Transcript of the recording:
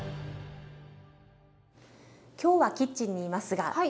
今日はキッチンにいますが。